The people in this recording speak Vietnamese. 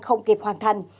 không kịp hoàn thành